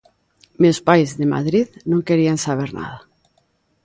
Meus pais de Madrid non querían saber nada.